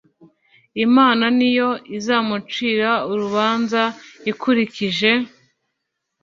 Imana ni yo izamucira urubanza ikurikije